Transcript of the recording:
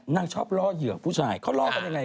ชอบล่อเหยื่อผู้ชายเขาล่อกันยังไง